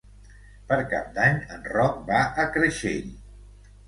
Per Cap d'Any en Roc va a Creixell.